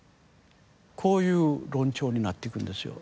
こういう論調になっていくんですよ。